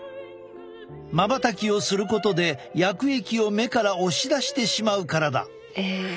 まばたきをすることで薬液を目から押し出てしまうからだ。